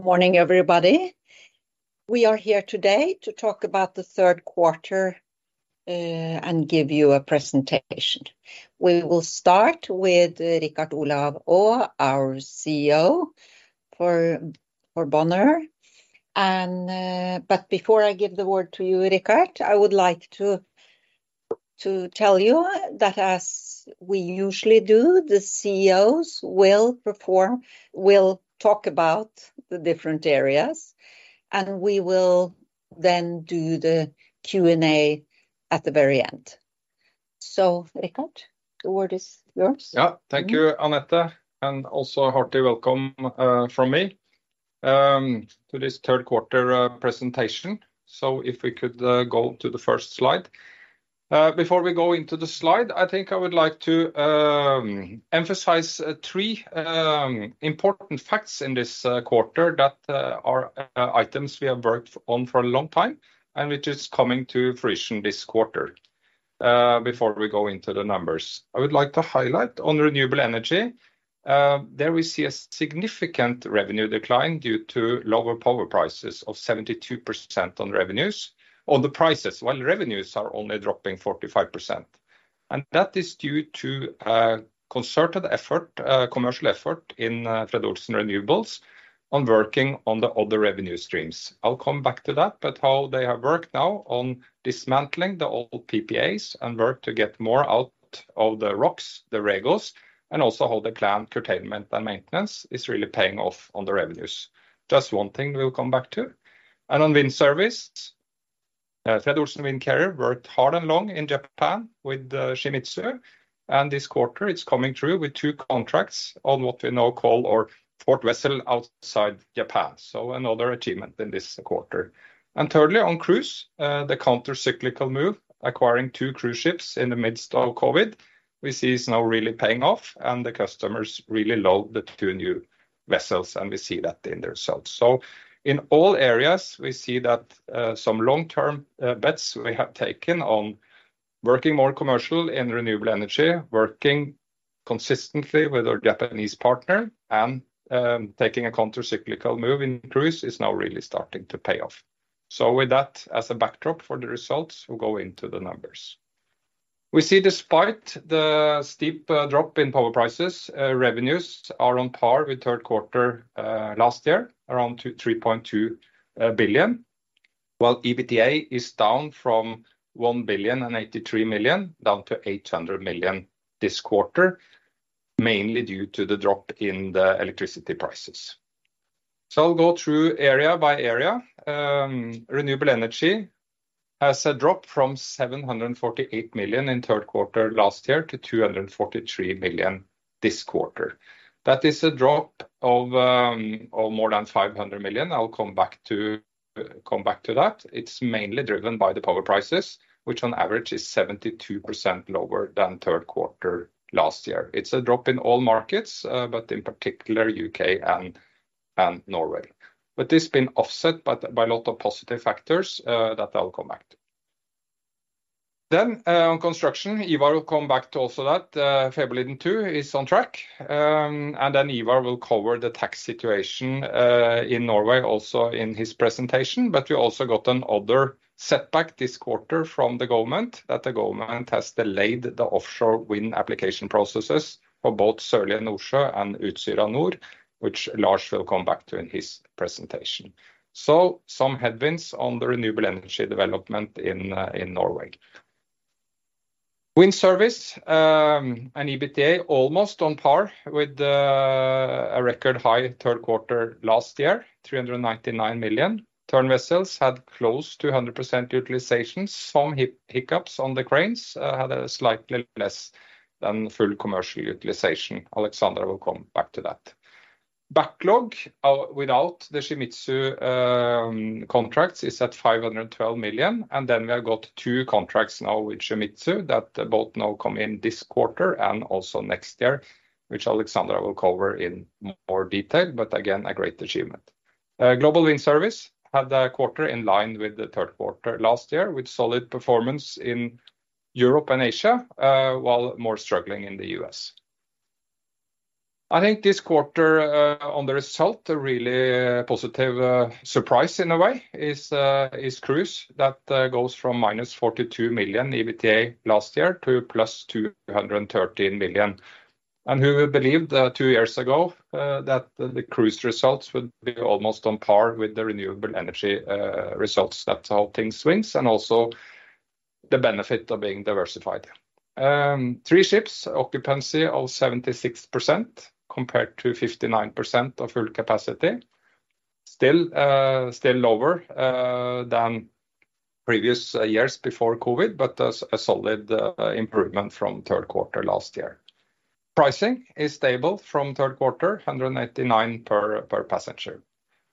Good morning, everybody. We are here today to talk about the Q3 and give you a presentation. We will start with Richard Olav Aa, our CEO for Bonheur. But before I give the word to you, Richard, I would like to tell you that as we usually do, the CEOs will perform, will talk about the different areas, and we will then do the Q&A at the very end. So, Richard, the word is yours. Yeah. Thank you, Anette, and also hearty welcome, from me, to this Q3 presentation. So if we could, go to the first slide. Before we go into the slide, I think I would like to emphasize three important facts in this quarter that are items we have worked on for a long time, and which is coming to fruition this quarter, before we go into the numbers. I would like to highlight on renewable energy. There we see a significant revenue decline due to lower power prices of 72% on revenues. On the prices, while revenues are only dropping 45%, and that is due to a concerted effort, a commercial effort in, Fred. Olsen Renewables on working on the other revenue streams. I'll come back to that, but how they have worked now on dismantling the old PPAs and work to get more out of the ROCs, the REGOs, and also how the planned curtailment and maintenance is really paying off on the revenues. Just one thing we'll come back to. And on wind service, Fred. Olsen Windcarrier worked hard and long in Japan with Shimizu, and this quarter it's coming through with two contracts on what we now call our fourth vessel outside Japan so another achievement in this quarter. And thirdly, on cruise, the countercyclical move, acquiring two cruise ships in the midst of COVID, we see is now really paying off, and the customers really love the two new vessels, and we see that in the results. In all areas, we see that, some long-term, bets we have taken on working more commercial in renewable energy, working consistently with our Japanese partner and, taking a countercyclical move in cruise is now really starting to pay off. So with that as a backdrop for the results, we'll go into the numbers. We see despite the steep, drop in power prices, revenues are on par with Q3, last year, around 2.3 billion, while EBITDA is down from 1,083 million, down to 800 million this quarter, mainly due to the drop in the electricity prices. So I'll go through area by area. Renewable energy has a drop from 748 million in Q3 last year to 243 million this quarter. That is a drop of more than 500 million. I'll come back to that. It's mainly driven by the power prices, which on average is 72% lower than Q3 last year. It's a drop in all markets, but in particular, UK and Norway. But this has been offset by a lot of positive factors that I'll come back to. Then, on construction, Ivar will come back to also that, Fäbodliden II is on track. And then Ivar will cover the tax situation in Norway, also in his presentation. But we also got another setback this quarter from the government, that the government has delayed the offshore wind application processes for both Sørlige Nordsjø and Utsira Nord, which Lars will come back to in his presentation. So some headwinds on the renewable energy development in, in Norway. Wind Service and EBITDA almost on par with a record high Q3 last year, 399 million. Tern vessels had close to 100% utilization. Some hiccups on the cranes had a slightly less than full commercial utilization. Alexandra will come back to that. Backlog without the Shimizu contracts is at 512 million, and then we have got two contracts now with Shimizu that both now come in this quarter and also next year, which Alexandra will cover in more detail, but again, a great achievement. Global Wind Service had a quarter in line with the Q3 last year, with solid performance in Europe and Asia, while more struggling in the US. I think this quarter, on the result, a really positive surprise in a way, is cruise, that goes from -42 million EBITDA last year to +213 million. And who believed, two years ago, that the cruise results would be almost on par with the renewable energy results? That's how things swings and also the benefit of being diversified. Three ships, occupancy of 76%, compared to 59% of full capacity. Still, still lower than previous years before COVID, but a solid improvement from Q3 last year. Pricing is stable from Q3, 189 per passenger.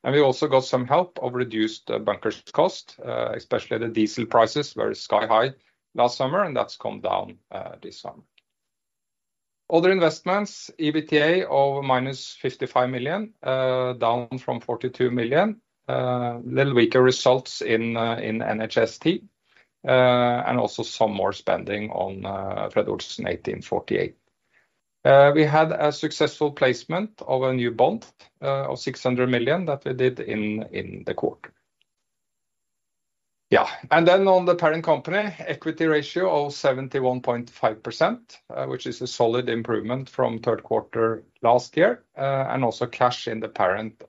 And we also got some help of reduced bunker costs, especially the diesel prices, were sky high last summer, and that's come down, this summer. Other investments, EBITDA of -55 million, down from 42 million NOK. Little weaker results in NHST, and also some more spending on Fred. Olsen 1848. We had a successful placement of a new bond of 600 million that we did in the quarter. Yeah, and then on the parent company, equity ratio of 71.5%, which is a solid improvement from Q3 last year. And also cash in the parent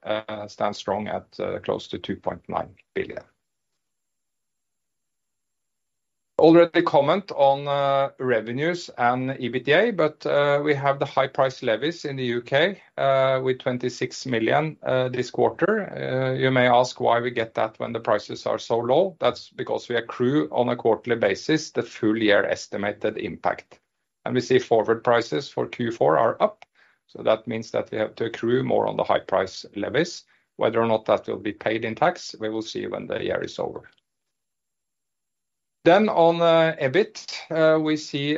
stands strong at close to 2.9 billion. Already comment on revenues and EBITDA, but we have the high price levies in the UK with 26 million this quarter. You may ask why we get that when the prices are so low. That's because we accrue on a quarterly basis, the full year estimated impact. We see forward prices for Q4 are up, so that means that we have to accrue more on the high price levies. Whether or not that will be paid in tax, we will see when the year is over. On EBIT, we see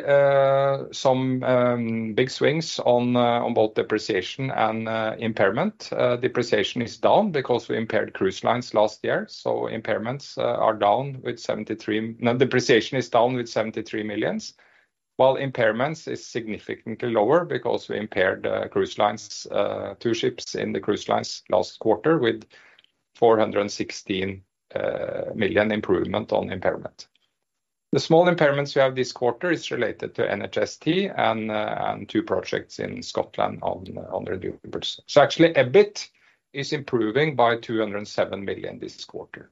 some big swings on both depreciation and impairment. Depreciation is down because we impaired cruise lines last year, so impairments are down with 73 million-- No, depreciation is down with 73 million, while impairments is significantly lower because we impaired cruise lines two ships in the cruise lines last quarter, with 416 million improvement on impairment. The small impairments we have this quarter is related to NHST and two projects in Scotland on renewables. So actually, EBIT is improving by 207 million this quarter.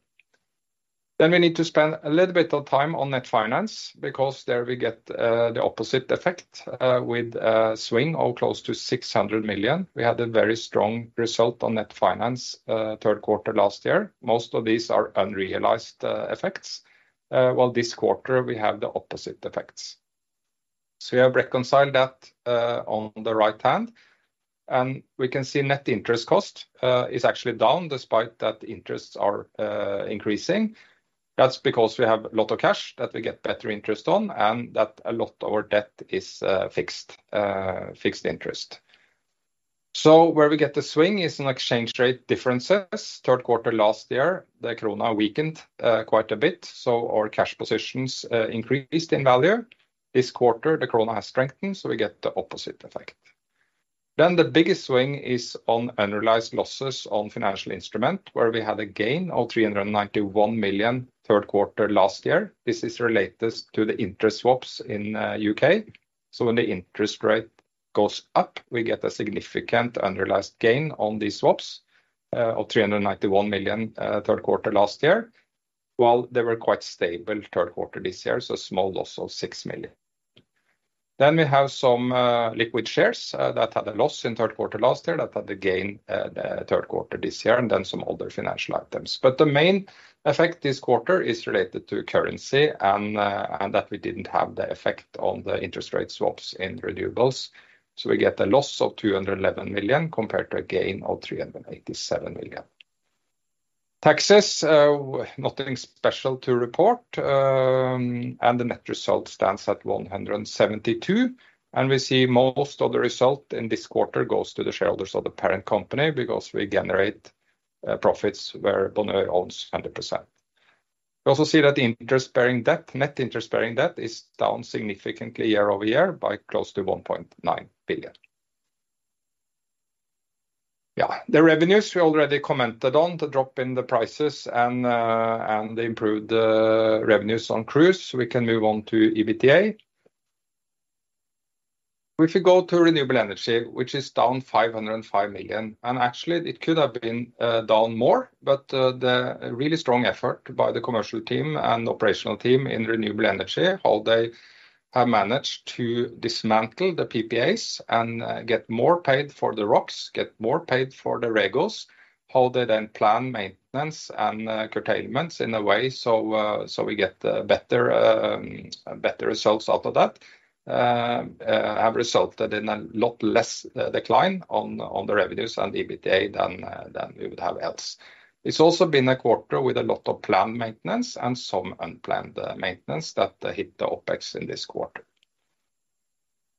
Then we need to spend a little bit of time on net finance, because there we get the opposite effect with a swing of close to 600 million. We had a very strong result on net finance Q3 last year. Most of these are unrealized effects while this quarter we have the opposite effects. We have reconciled that on the right hand, and we can see net interest cost is actually down, despite that interests are increasing. That's because we have a lot of cash that we get better interest on, and that a lot of our debt is fixed interest. So where we get the swing is in exchange rate differences. Q3 last year, the krona weakened quite a bit, so our cash positions increased in value. This quarter, the krona has strengthened, so we get the opposite effect. Then the biggest swing is on unrealized losses on financial instrument, where we had a gain of 391 million Q3 last year. This is related to the interest swaps in U.K. So when the interest rate goes up, we get a significant unrealized gain on these swaps of 391 million Q3 last year, while they were quite stable Q3 this year so a small loss of 6 million. Then we have some liquid shares that had a loss in Q3 last year, that had a gain Q3 this year, and then some other financial items but the main effect this quarter is related to currency and that we didn't have the effect on the interest rate swaps in renewables. So we get a loss of 211 million compared to a gain of 387 million. Taxes, nothing special to report, and the net result stands at 172, and we see most of the result in this quarter goes to the shareholders of the parent company, because we generate, profits where Bonheur owns 100%. We also see that the interest-bearing debt, net interest-bearing debt is down significantly year-over-year by close to 1.9 billion. Yeah, the revenues, we already commented on the drop in the prices and, and the improved, revenues on cruise. We can move on to EBITDA. If we go to renewable energy, which is down 505 million, and actually, it could have been down more, but the really strong effort by the commercial team and operational team in renewable energy, how they have managed to dismantle the PPAs and get more paid for the ROCs, get more paid for the REGOs, how they then plan maintenance and curtailments in a way, so we get better results out of that. Have resulted in a lot less decline on the revenues and EBITDA than we would have else. It's also been a quarter with a lot of planned maintenance and some unplanned maintenance that hit the OpEx in this quarter.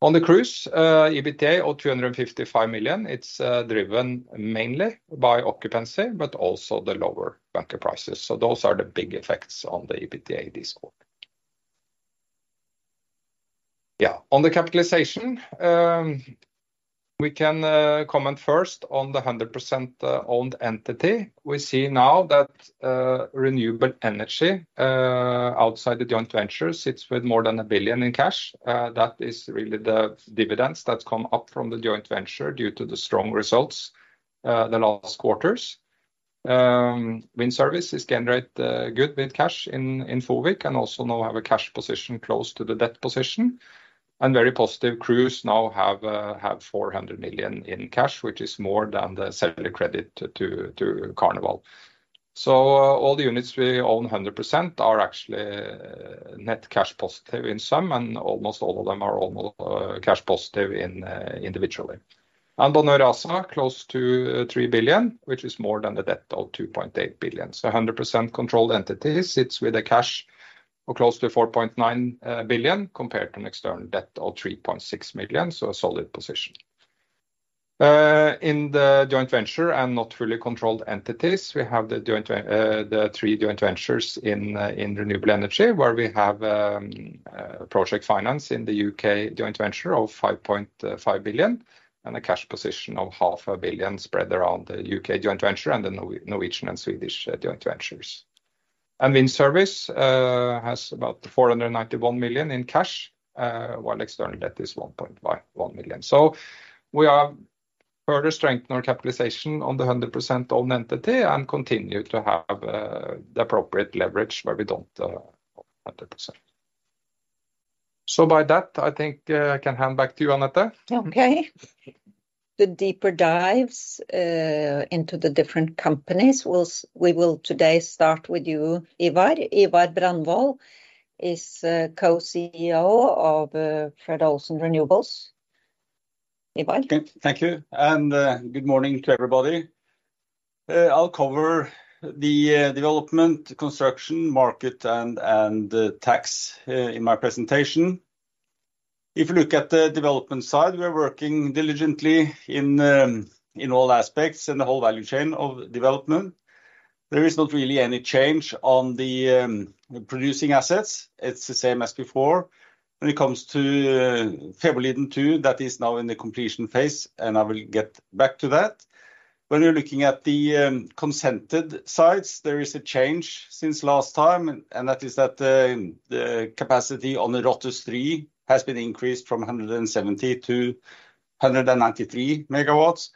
On the Cruise, EBITDA of 255 million, it's driven mainly by occupancy, but also the lower bunker prices. So those are the big effects on the EBITDA this quarter. Yeah, on the capitalization, we can comment first on the 100% owned entity. We see now that Renewable Energy outside the joint ventures sits with more than 1 billion in cash. That is really the dividends that come up from the joint venture due to the strong results the last quarters. Wind Service is generating good cash inflow, and also now have a cash position close to the debt position. And very positive, Cruise now have 400 million in cash, which is more than the seller credit to Carnival. All the units we own 100% are actually net cash positive in some, and almost all of them are almost cash positive in individually. And Bonheur ASA, close to 3 billion, which is more than the debt of 2.8 billion. So 100% controlled entities sits with a cash of close to 4.9 billion, compared to an external debt of 3.6 million so a solid position. In the joint venture and not fully controlled entities, we have the joint the three joint ventures in in renewable energy, where we have project finance in the UK joint venture of 5.5 billion, and a cash position of 0.5 billion spread around the UK joint venture and the Norwegian and Swedish joint ventures. Wind Service has about 491 million in cash, while external debt is 1.11 million. We are further strengthening our capitalization on the 100% owned entity and continue to have the appropriate leverage where we don't own 100%. By that, I think, I can hand back to you, Anette. Okay. The deeper dives into the different companies, we will today start with you, Ivar. Ivar Brandvold is Co-CEO of Fred. Olsen Renewables. Ivar? Thank you, and good morning to everybody. I'll cover the development, construction, market, and tax in my presentation. If you look at the development side, we're working diligently in all aspects and the whole value chain of development. There is not really any change on the producing assets. It's the same as before. When it comes to Fävaliden II, that is now in the completion phase, and I will get back to that. When we're looking at the consented sites, there is a change since last time, and that is that the capacity on the Rothes III has been increased from 170 to 193 MW,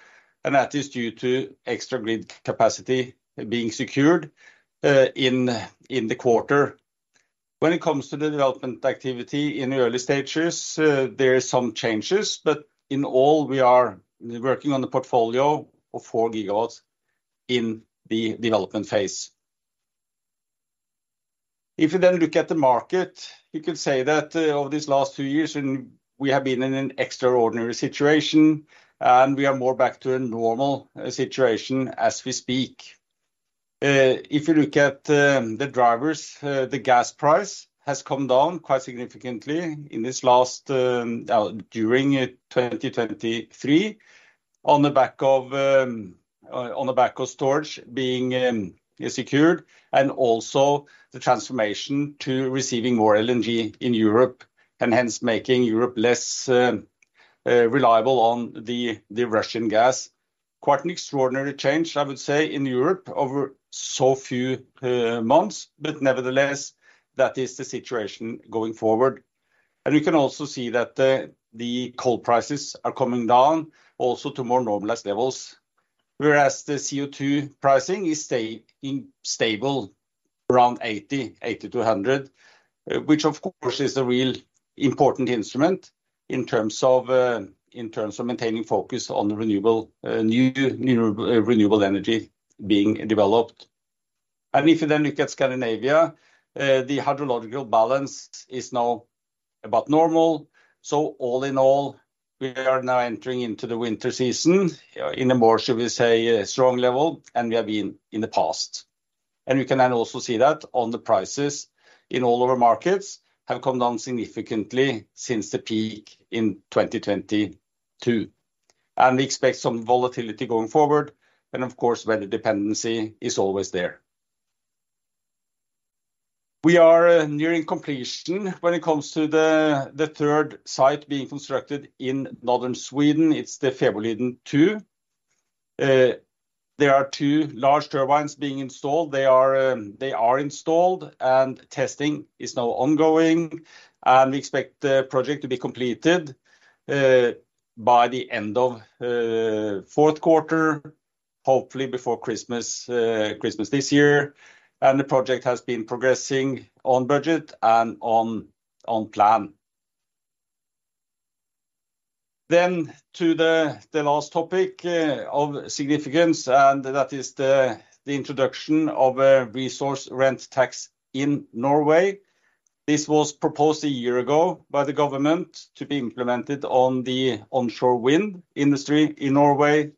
and that is due to extra grid capacity being secured in the quarter. When it comes to the development activity in the early stages, there are some changes, but in all, we are working on the portfolio of four gigawatts in the development phase. If you then look at the market, you could say that over these last two years, and we have been in an extraordinary situation, and we are more back to a normal situation as we speak. If you look at the drivers, the gas price has come down quite significantly in this last during 2023, on the back of storage being secured, and also the transformation to receiving more LNG in Europe, and hence making Europe less reliable on the Russian gas. Quite an extraordinary change, I would say, in Europe over so few months, but nevertheless, that is the situation going forward. And you can also see that, the coal prices are coming down also to more normalized levels, whereas the CO2 pricing is staying stable around 80, 80-100, which, of course, is a real important instrument in terms of, in terms of maintaining focus on the renewable, new, new, renewable energy being developed. If you then look at Scandinavia, the hydrological balance is now about normal. So all in all, we are now entering into the winter season in a more, should we say, a strong level than we have been in the past. We can then also see that the prices in all our markets have come down significantly since the peak in 2022, and we expect some volatility going forward, and of course, weather dependency is always there. We are nearing completion when it comes to the third site being constructed in northern Sweden. It's the Fävåliden II. There are two large turbines being installed. They are installed, and testing is now ongoing, and we expect the project to be completed by the end of Q4, hopefully before Christmas this year, and the project has been progressing on budget and on plan. To the last topic of significance, and that is the introduction of a resource rent tax in Norway. This was proposed a year ago by the government to be implemented on the onshore wind industry in Norway,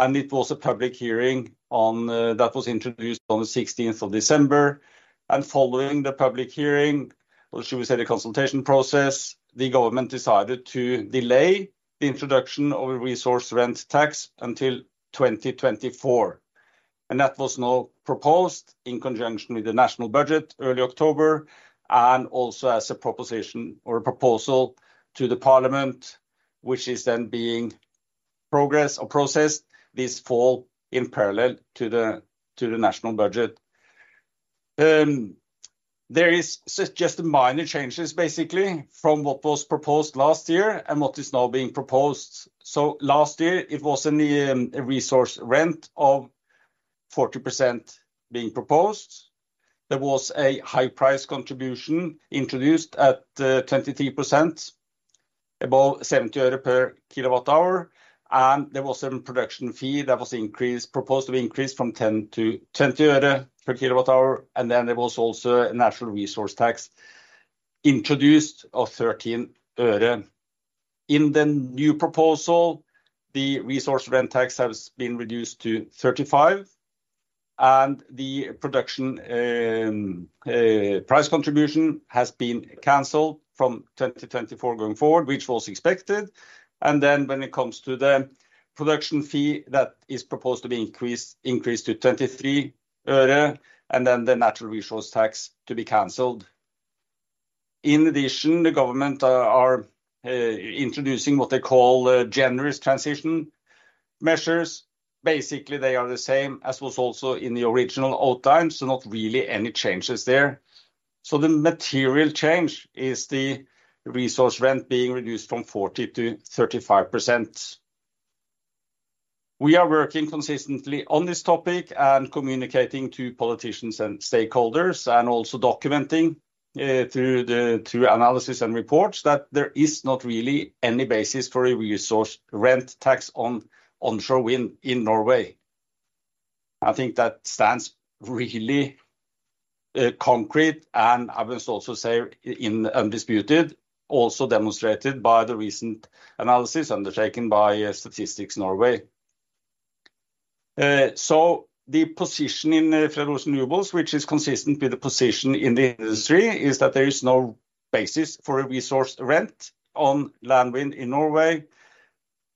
and it was a public hearing on. That was introduced on the 16 December, and following the public hearing, or should we say the consultation process, the government decided to delay the introduction of a resource rent tax until 2024. That was now proposed in conjunction with the national budget, early October, and also as a proposition or a proposal to the Parliament, which is then being progressed or processed this fall in parallel to the, to the national budget. There is just minor changes, basically, from what was proposed last year and what is now being proposed. So last year it was in the, resource rent of 40% being proposed. There was a high price contribution introduced at 23%, above 70 euro per kWh, and there was some production fee that was increased, proposed to be increased from 10-20 euro per kWh, and then there was also a natural resource tax introduced of 13 euro. In the new proposal, the resource rent tax has been reduced to 35%.... and the production, price contribution has been canceled from 2024 going forward, which was expected. Then when it comes to the production fee, that is proposed to be increased, increased to 23 øre, and then the natural resource tax to be canceled. In addition, the government are introducing what they call generous transition measures. Basically, they are the same as was also in the original outlines, so not really any changes there. So the material change is the resource rent being reduced from 40%-35%. We are working consistently on this topic and communicating to politicians and stakeholders, and also documenting through the through analysis and reports, that there is not really any basis for a resource rent tax on onshore wind in Norway. I think that stands really concrete, and I must also say undisputed, also demonstrated by the recent analysis undertaken by Statistics Norway. The position in Fred. Olsen Renewables, which is consistent with the position in the industry, is that there is no basis for a resource rent on land wind in Norway,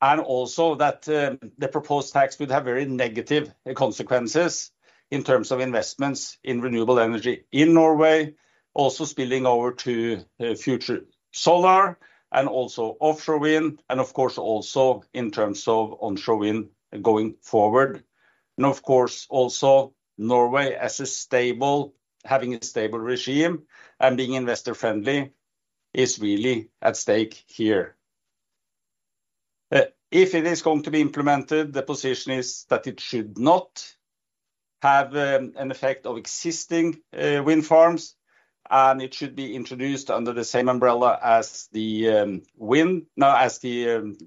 and also that, the proposed tax would have very negative consequences in terms of investments in renewable energy in Norway, also spilling over to, future solar and also offshore wind, and of course, also in terms of onshore wind going forward. And of course, also, Norway as a stable, having a stable regime and being investor-friendly is really at stake here. If it is going to be implemented, the position is that it should not have an effect of existing wind farms, and it should be introduced under the same umbrella as the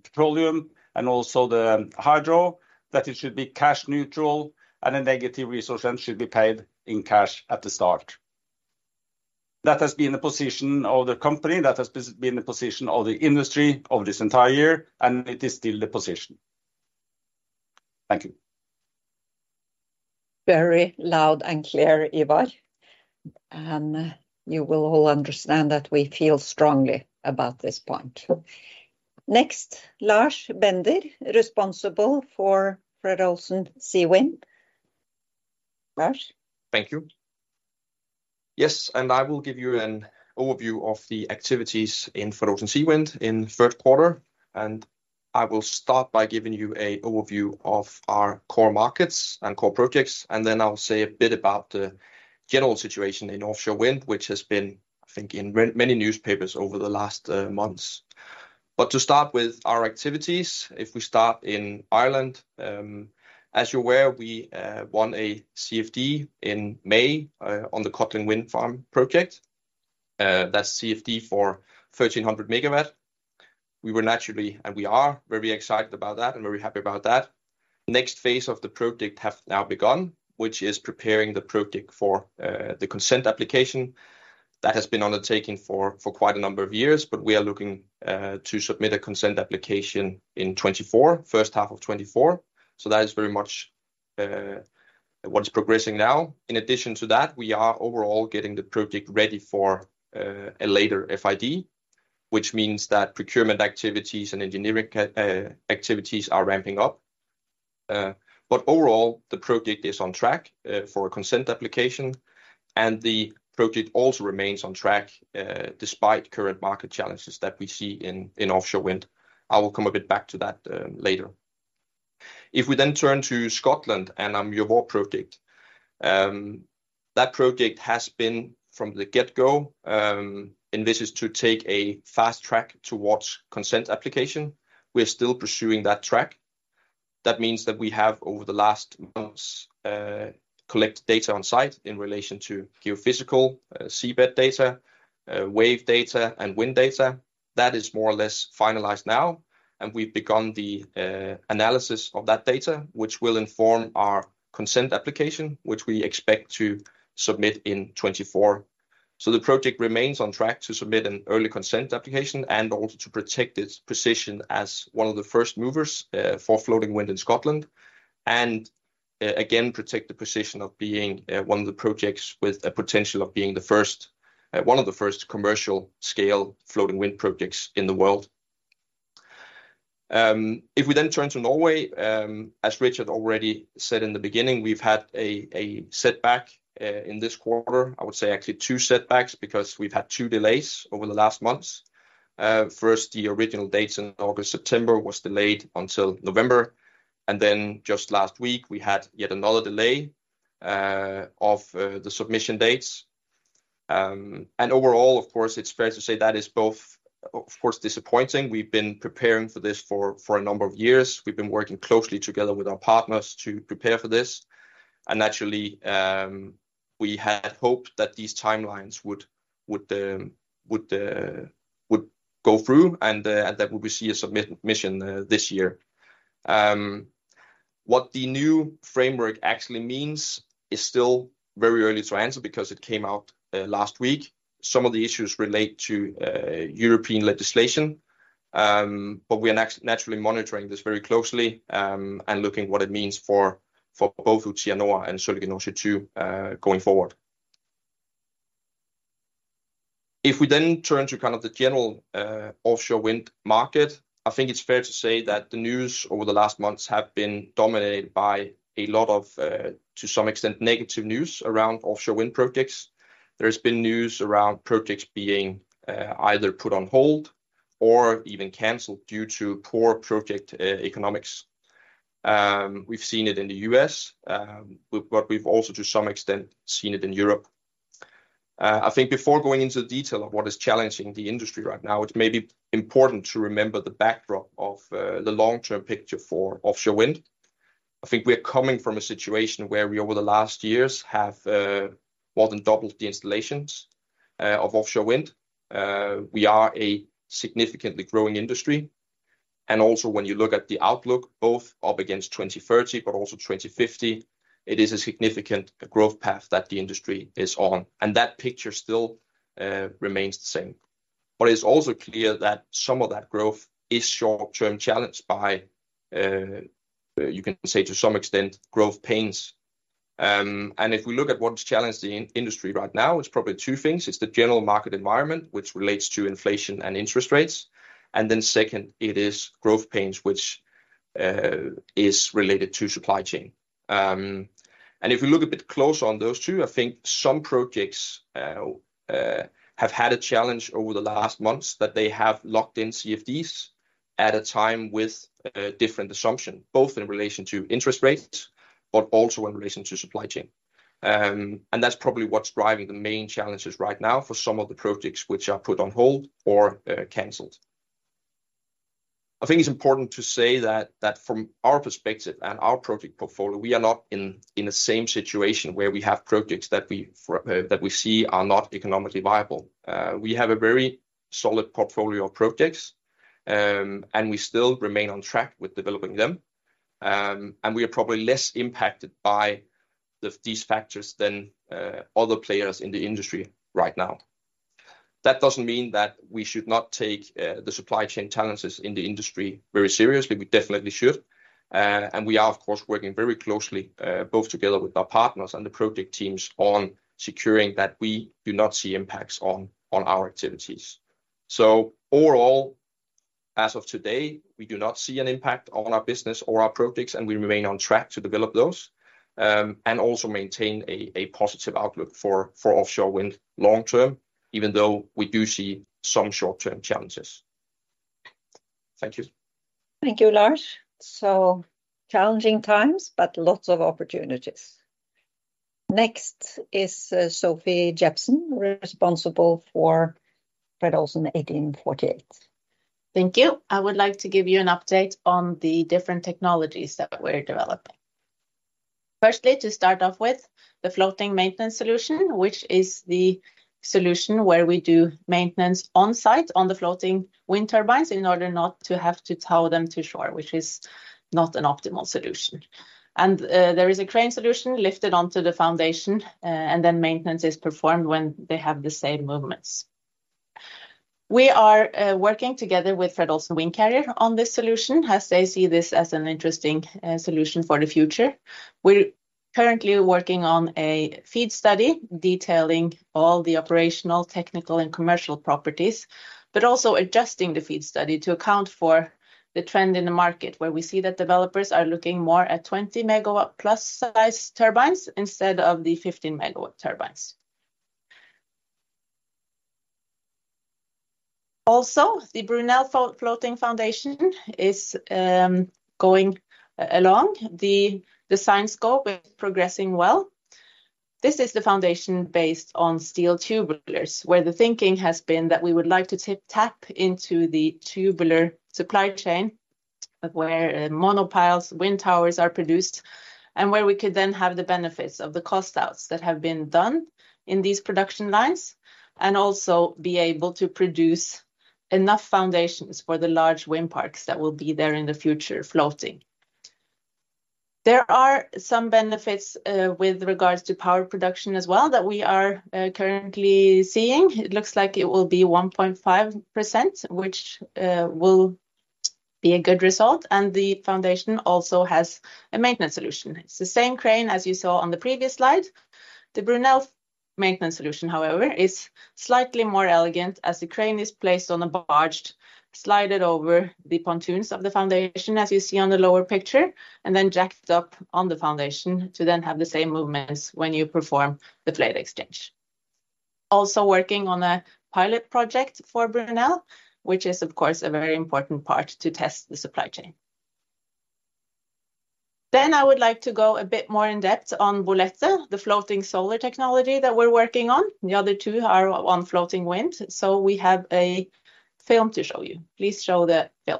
petroleum and also the hydro, that it should be cash neutral, and a negative resource rent should be paid in cash at the start. That has been the position of the company, that has been the position of the industry over this entire year, and it is still the position. Thank you. Very loud and clear, Ivar, and you will all understand that we feel strongly about this point. Next, Lars Bender, responsible for Fred. Olsen Seawind. Lars? Thank you. Yes, and I will give you an overview of the activities in Fred. Olsen Seawind in Q3, and I will start by giving you an overview of our core markets and core projects, and then I'll say a bit about the general situation in offshore wind, which has been, I think, in many newspapers over the last months. But to start with our activities, if we start in Ireland, as you're aware, we won a CFD in May on the Codling Wind Farm project. That's CFD for 1,300 MW. We were naturally, and we are very excited about that and very happy about that. Next phase of the project have now begun, which is preparing the project for the consent application. That has been undertaking for quite a number of years, but we are looking to submit a consent application in 2024, first half of 2024. So that is very much what is progressing now. In addition to that, we are overall getting the project ready for a later FID, which means that procurement activities and engineering activities are ramping up. Overall, the project is on track for a consent application, and the project also remains on track despite current market challenges that we see in offshore wind. I will come a bit back to that later. If we then turn to Scotland and our Muir Mhòr project. That project has been from the get-go, and this is to take a fast track towards consent application. We are still pursuing that track. That means that we have, over the last months, collected data on site in relation to geophysical, seabed data, wave data, and wind data. That is more or less finalized now, and we've begun the analysis of that data, which will inform our consent application, which we expect to submit in 2024. The project remains on track to submit an early consent application and also to protect its position as one of the first movers for floating wind in Scotland, and again, protect the position of being one of the projects with a potential of being the first one of the first commercial-scale floating wind projects in the world. If we then turn to Norway, as Richard already said in the beginning, we've had a setback in this quarter. I would say actually two setbacks, because we've had two delays over the last months. First, the original dates in August, September, was delayed until November, and then just last week, we had yet another delay of the submission dates. Overall, of course, it's fair to say that is both, of course, disappointing. We've been preparing for this for a number of years. We've been working closely together with our partners to prepare for this, and naturally, we had hoped that these timelines would go through, and that we would see a submission this year. What the new framework actually means is still very early to answer because it came out last week. Some of the issues relate to European legislation. But we are naturally monitoring this very closely, and looking what it means for both Utsira Nord and Sørlige Nordsjø II going forward. If we then turn to kind of the general offshore wind market, I think it's fair to say that the news over the last months have been dominated by a lot of, to some extent, negative news around offshore wind projects. There's been news around projects being either put on hold or even canceled due to poor project economics. We've seen it in the U.S., but we've also, to some extent, seen it in Europe. I think before going into the detail of what is challenging the industry right now, it may be important to remember the backdrop of the long-term picture for offshore wind. I think we are coming from a situation where we, over the last years, have more than doubled the installations of offshore wind. We are a significantly growing industry, and also when you look at the outlook, both up against 2030, but also 2050, it is a significant growth path that the industry is on, and that picture still remains the same. It's also clear that some of that growth is short-term challenged by, you can say, to some extent, growth pains. And if we look at what's challenged the industry right now, it's probably two things. It's the general market environment, which relates to inflation and interest rates, and then second, it is growth pains, which is related to supply chain. If you look a bit closer on those two, I think some projects have had a challenge over the last months, that they have locked in CFDs at a time with a different assumption, both in relation to interest rates, but also in relation to supply chain. And that's probably what's driving the main challenges right now for some of the projects which are put on hold or canceled. I think it's important to say that from our perspective and our project portfolio, we are not in the same situation where we have projects that we see are not economically viable. We have a very solid portfolio of projects, and we still remain on track with developing them. And we are probably less impacted by these factors than other players in the industry right now. That doesn't mean that we should not take the supply chain challenges in the industry very seriously. We definitely should. And we are, of course, working very closely both together with our partners and the project teams on securing that we do not see impacts on our activities. Overall, as of today, we do not see an impact on our business or our projects, and we remain on track to develop those, and also maintain a positive outlook for offshore wind long-term, even though we do see some short-term challenges. Thank you. Thank you, Lars. So challenging times, but lots of opportunities. Next is Sofie Olsen Jebsen, responsible for Fred. Olsen 1848. Thank you. I would like to give you an update on the different technologies that we're developing. Firstly, to start off with, the floating maintenance solution, which is the solution where we do maintenance on-site on the floating wind turbines in order not to have to tow them to shore, which is not an optimal solution. There is a crane solution lifted onto the foundation, and then maintenance is performed when they have the same movements. We are working together with Fred. Olsen Windcarrier on this solution, as they see this as an interesting solution for the future. We're currently working on a feed study detailing all the operational, technical, and commercial properties, but also adjusting the feed study to account for the trend in the market, where we see that developers are looking more at 20 MW+ size turbines instead of the 15 MW turbines. Also, the Brunel floating foundation is going along. The design scope is progressing well. This is the foundation based on steel tubulars, where the thinking has been that we would like to tap into the tubular supply chain, where monopiles wind towers are produced, and where we could then have the benefits of the cost outs that have been done in these production lines, and also be able to produce enough foundations for the large wind parks that will be there in the future, floating. There are some benefits with regards to power production as well that we are currently seeing. It looks like it will be 1.5%, which will be a good result, and the foundation also has a maintenance solution. It's the same crane as you saw on the previous slide. The Brunel maintenance solution, however, is slightly more elegant, as the crane is placed on a barge, slide it over the pontoons of the foundation, as you see on the lower picture, and then jacked up on the foundation to then have the same movements when you perform the blade exchange. Also working on a pilot project for Brunel, which is, of course, a very important part to test the supply chain. I would like to go a bit more in depth on Boletta, the floating solar technology that we're working on. The other two are on floating wind, so we have a film to show you. Please show the film.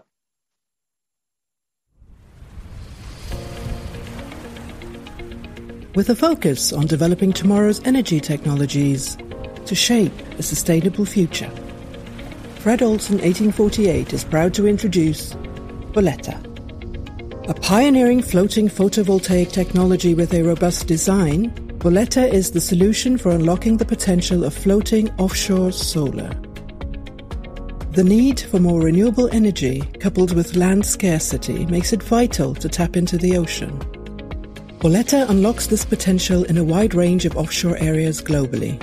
With a focus on developing tomorrow's energy technologies to shape a sustainable future, Fred. Olsen 1848 is proud to introduce Boletta. A pioneering floating photovoltaic technology with a robust design, Boletta is the solution for unlocking the potential of floating offshore solar. The need for more renewable energy, coupled with land scarcity, makes it vital to tap into the ocean. Boletta unlocks this potential in a wide range of offshore areas globally.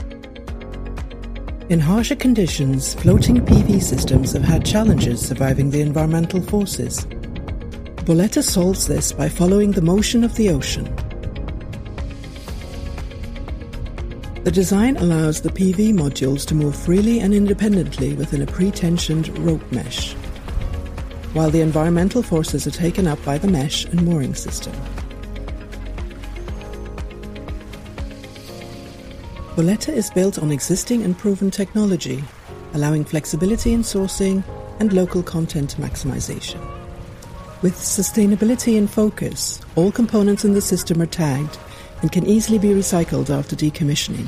In harsher conditions, floating PV systems have had challenges surviving the environmental forces. Boletta solves this by following the motion of the ocean. The design allows the PV modules to move freely and independently within a pre-tensioned rope mesh, while the environmental forces are taken up by the mesh and mooring system. Boletta is built on existing and proven technology, allowing flexibility in sourcing and local content maximization. With sustainability in focus, all components in the system are tagged and can easily be recycled after decommissioning.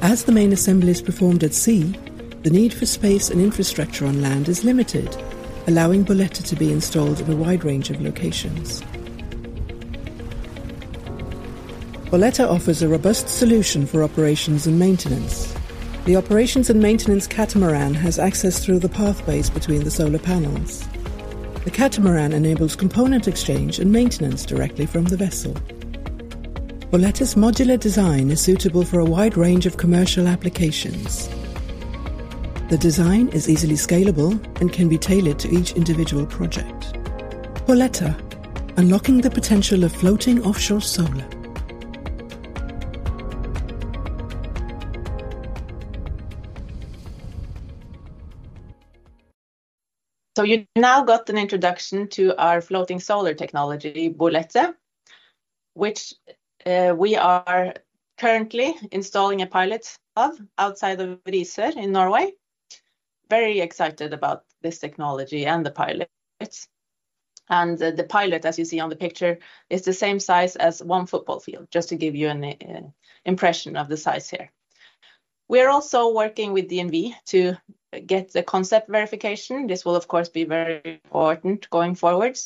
As the main assembly is performed at sea, the need for space and infrastructure on land is limited, allowing Boletta to be installed in a wide range of locations. Boletta offers a robust solution for operations and maintenance. The operations and maintenance catamaran has access through the pathways between the solar panels. The catamaran enables component exchange and maintenance directly from the vessel. Boletta's modular design is suitable for a wide range of commercial applications. The design is easily scalable and can be tailored to each individual project. Boletta, unlocking the potential of floating offshore solar. You now got an introduction to our floating solar technology, Boletta, which we are currently installing a pilot of outside of Risør in Norway. Very excited about this technology and the pilot. The pilot, as you see on the picture, is the same size as one football field, just to give you an impression of the size here. We are also working with DNV to get the concept verification this will, of course, be very important going forward-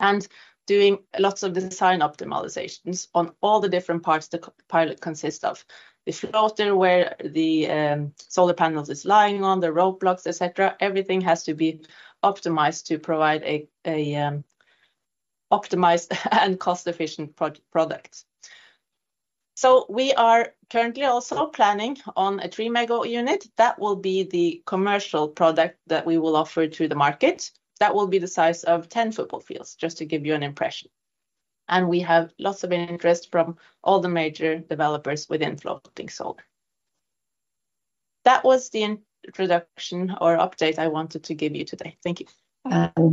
-and doing lots of design optimizations on all the different parts the pilot consists of. The floater, where the solar panels is lying on, the roadblocks, et cetera, everything has to be optimized to provide a optimized and cost-efficient product. So we are currently also planning on a 3 MW unit. That will be the commercial product that we will offer to the market. That will be the size of 10 football fields, just to give you an impression. We have lots of interest from all the major developers within floating solar. That was the introduction or update I wanted to give you today. Thank you.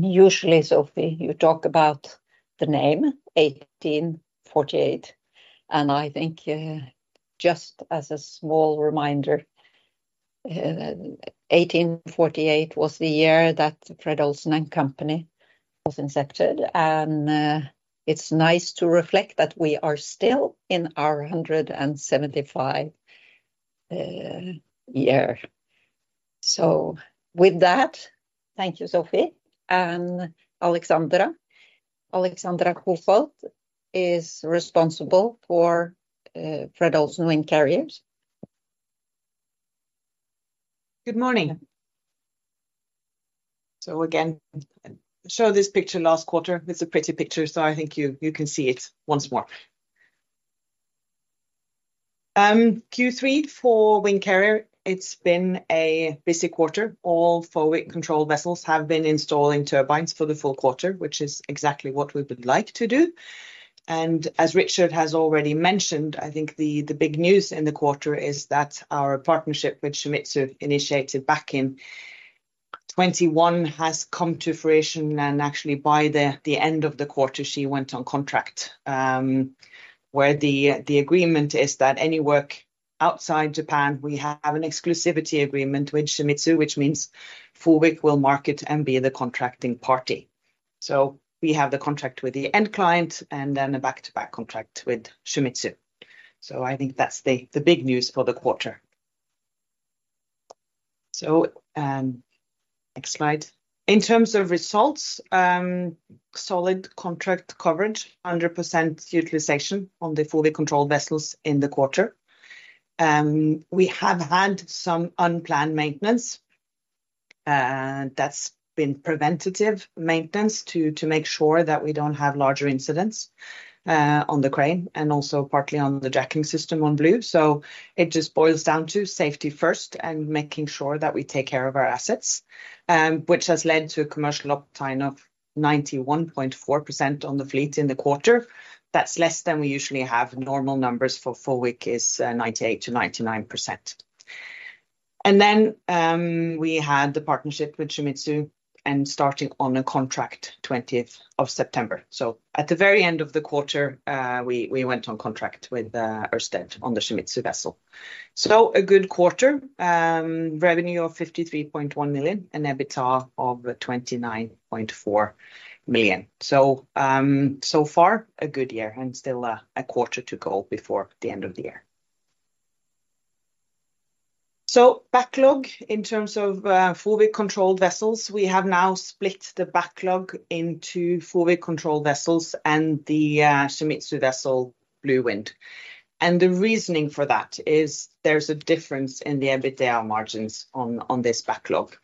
Usually, Sofie, you talk about the name, 1848, and I think, just as a small reminder, 1848 was the year that Fred. Olsen and Company was incepted, and, it's nice to reflect that we are still in our 175 year. With that, thank you, Sofie. And Alexandra. Alexandra Koefoed is responsible for Fred. Olsen Windcarrier. Good morning. Again, I showed this picture last quarter. It's a pretty picture, so I think you, you can see it once more. Q3 for Wind Carrier, it's been a busy quarter. All four wind carrier vessels have been installing turbines for the full quarter, which is exactly what we would like to do. And as Richard has already mentioned, I think the, the big news in the quarter is that our partnership with Shimizu, initiated back in 2021, has come to fruition, and actually, by the, the end of the quarter, she went on contract. Where the, the agreement is that any work outside Japan, we have an exclusivity agreement with Shimizu, which means we will market and be the contracting party. So we have the contract with the end client and then a back-to-back contract with Shimizu. So I think that's the big news for the quarter. Next slide. In terms of results, solid contract coverage, 100% utilization on the fully controlled vessels in the quarter. We have had some unplanned maintenance, and that's been preventative maintenance to make sure that we don't have larger incidents on the crane and also partly on the jacking system on Blue. So it just boils down to safety first and making sure that we take care of our assets, which has led to a commercial uptime of 91.4% on the fleet in the quarter. That's less than we usually have. Normal numbers for full week is 98% to 99%. Then, we had the partnership with Shimizu, and starting on a contract, twentieth of September. So at the very end of the quarter, we went on contract with Ørsted on the Shimizu vessel. So a good quarter. Revenue of 53.1 million and EBITDA of 29.4 million. So, so far, a good year and still a quarter to go before the end of the year... Backlog in terms of forward controlled vessels, we have now split the backlog into forward control vessels and the Shimizu vessel, Blue Wind. And the reasoning for that is there's a difference in the EBITDA margins on this backlog.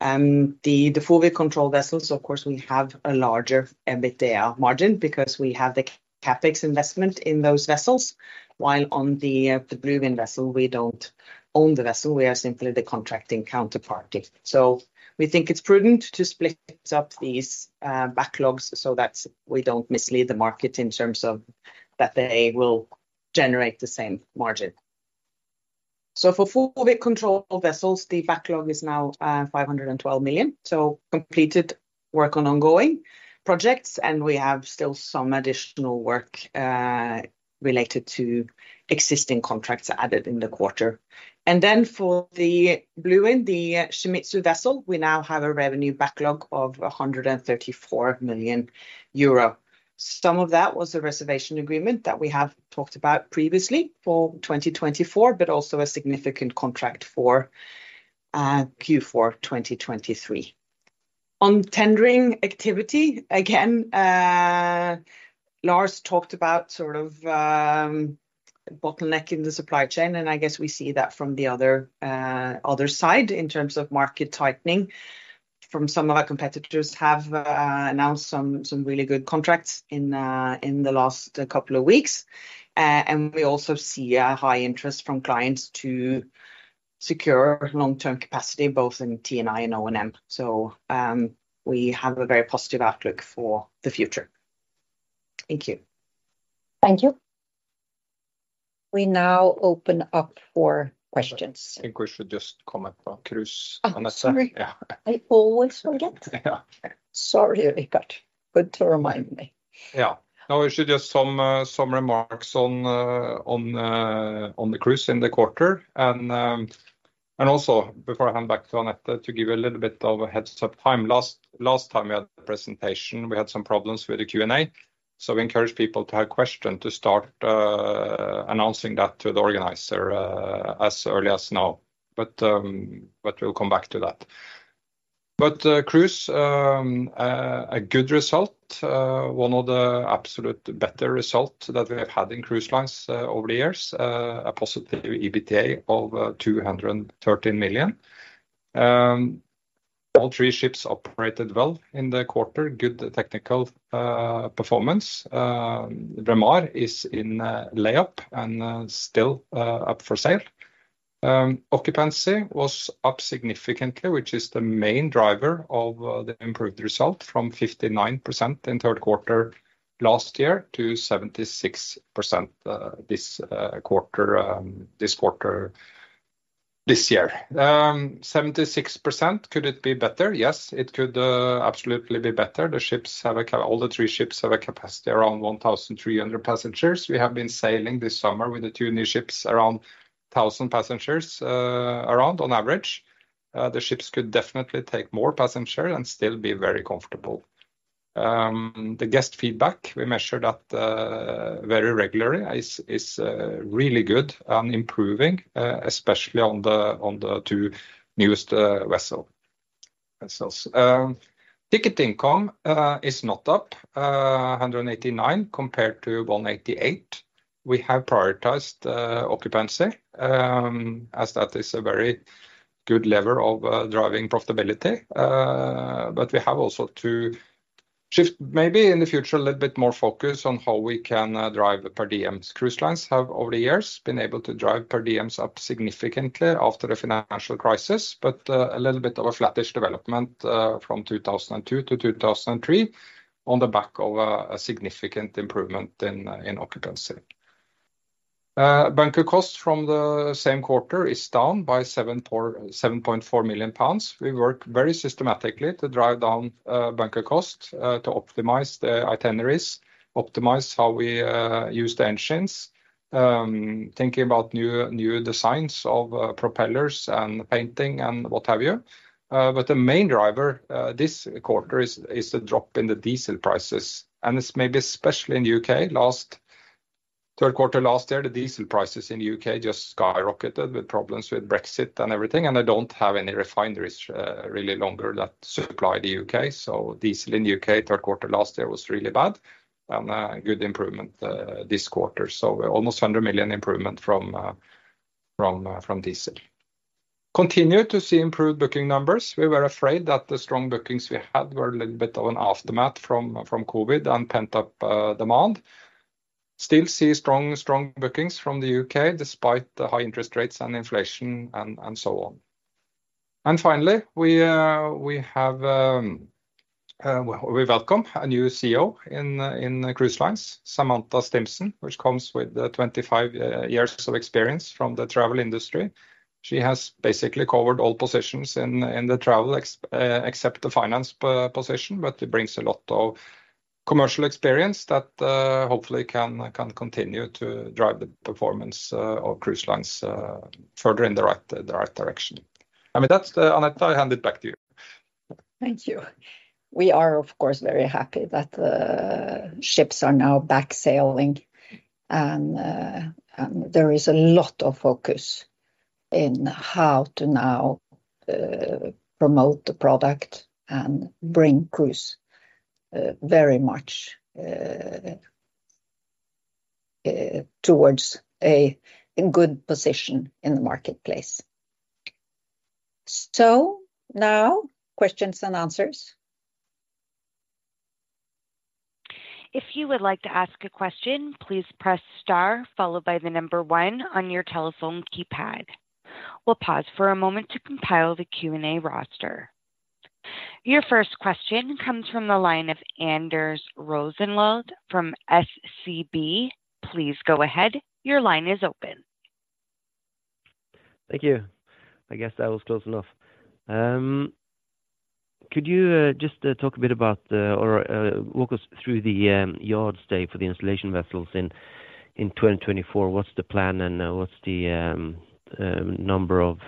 The forward control vessels, of course, we have a larger EBITDA margin because we have the CapEx investment in those vessels, while on the Blue Wind vessel, we don't own the vessel, we are simply the contracting counterparty. We think it's prudent to split up these backlogs so that we don't mislead the market in terms of that they will generate the same margin. So for forward control vessels, the backlog is now 512 million. So completed work on ongoing projects, and we have still some additional work related to existing contracts added in the quarter. And then for the Blue Wind, the Shimizu vessel, we now have a revenue backlog of 134 million euro. Some of that was a reservation agreement that we have talked about previously for 2024, but also a significant contract for Q4 2023. On tendering activity, again, Lars talked about sort of, bottleneck in the supply chain, and I guess we see that from the other, other side in terms of market tightening, from some of our competitors have announced some really good contracts in the last couple of weeks. And we also see a high interest from clients to secure long-term capacity, both in T&I and O&M. So, we have a very positive outlook for the future. Thank you. Thank you. We now open up for questions. I think we should just comment on cruise, Anette. Oh, sorry. Yeah. I always forget. Yeah. Sorry, Richard. Good to remind me. Yeah. Now, we should just some remarks on the cruise in the quarter. And also, before I hand back to Anette, to give you a little bit of a heads up time. Last time we had the presentation, we had some problems with the Q&A, so we encourage people to have question to start announcing that to the organizer as early as now. But we'll come back to that. But cruise, a good result, one of the absolute better results that we have had in cruise lines over the years. A positive EBITDA of 213 million. All three ships operated well in the quarter. Good technical performance. Braemar is in layup and still up for sale. Occupancy was up significantly, which is the main driver of the improved result from 59% in Q3 last year to 76% this quarter this year. 76%, could it be better? Yes, it could absolutely be better the ships have a—all the three ships have a capacity around 1,300 passengers. We have been sailing this summer with the two new ships, around 1,000 passengers around on average. The ships could definitely take more passenger and still be very comfortable. The guest feedback, we measure that very regularly, is really good and improving, especially on the two newest vessels. Ticket income is not up 189 million compared to 188 million. We have prioritized occupancy as that is a very good level of driving profitability. But we have also to shift, maybe in the future, a little bit more focus on how we can drive per diems Cruise lines have, over the years, been able to drive per diems up significantly after the financial crisis, but a little bit of a flattish development from 2002 to 2003, on the back of a significant improvement in occupancy. Bunker cost from the same quarter is down by 7.4 million pounds. We work very systematically to drive down bunker cost to optimize the itineraries, optimize how we use the engines, thinking about new designs of propellers and painting and what have you. The main driver this quarter is the drop in the diesel prices, and it's maybe especially in the UK. Last Q3 last year, the diesel prices in the UK just skyrocketed with problems with Brexit and everything, and they don't have any refineries really longer that supply the UK. So diesel in the UK, Q3 last year was really bad, and good improvement this quarter so almost 100 million improvement from diesel. Continue to see improved booking numbers. We were afraid that the strong bookings we had were a little bit of an aftermath from COVID and pent-up demand. Still see strong bookings from the UK, despite the high interest rates and inflation and so on. Finally, we welcome a new CEO in Cruise Lines, Samantha Stimpson, which comes with 25 years of experience from the travel industry. She has basically covered all positions in the travel except the finance position, but it brings a lot of commercial experience that hopefully can continue to drive the performance of Cruise Lines further in the right direction. I mean, that's Anette, I hand it back to you. Thank you. We are, of course, very happy that the ships are now back sailing, and and there is a lot of focus in how to now promote the product and bring cruise very much towards a in good position in the marketplace. Now, questions and answers. If you would like to ask a question, please press star followed by the number one on your telephone keypad. We'll pause for a moment to compile the Q&A roster. Your first question comes from the line of Anders Rosenlund from SEB. Please go ahead. Your line is open. Thank you. I guess that was close enough. Could you just walk us through the yard stay for the installation vessels in 2024? What's the plan, and what's the number of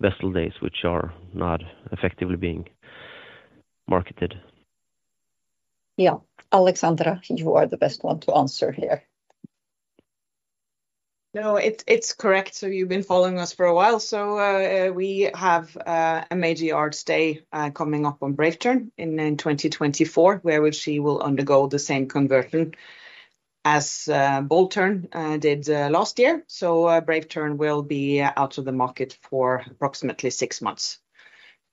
vessel days which are not effectively being marketed? Yeah. Alexandra, you are the best one to answer here. No, it's, it's correct. So you've been following us for a while. We have a major yard stay coming up on Brave Tern in 2024, where she will undergo the same conversion as Bold Tern did last year. So, Brave Tern will be out of the market for approximately six months.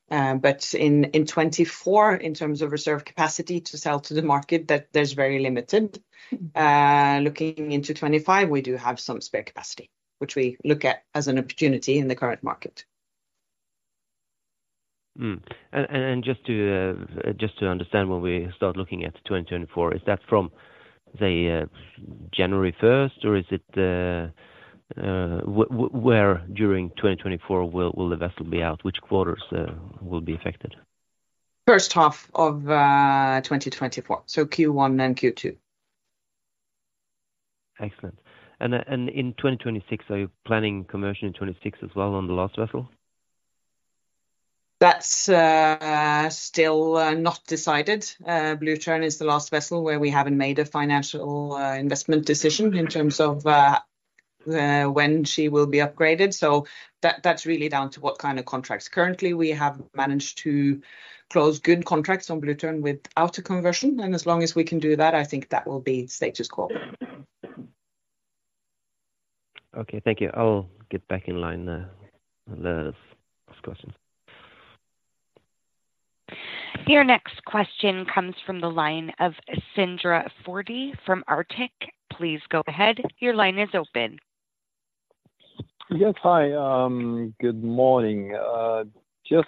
In 2024, in terms of reserve capacity to sell to the market, that there's very limited. Looking into 2025, we do have some spare capacity, which we look at as an opportunity in the current market. Just to understand, when we start looking at 2024, is that from, say, January first, or is it... Where during 2024 will the vessel be out? Which quarters will be affected? First half of 2024. So Q1 and Q2. Excellent. And in 2026, are you planning conversion in 2026 as well on the last vessel? That's still not decided. Blue Tern is the last vessel where we haven't made a financial investment decision in terms of when she will be upgraded. That's really down to what kind of contracts currently, we have managed to close good contracts on Blue Tern without a conversion, and as long as we can do that, I think that will be status quo. Okay, thank you. I'll get back in line, unless there's questions. Your next question comes from the line of Sindre Ertvaag from Arctic. Please go ahead. Your line is open. Yes, hi, good morning. Just